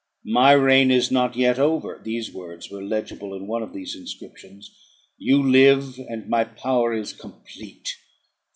"My reign is not yet over," (these words were legible in one of these inscriptions;) "you live, and my power is complete.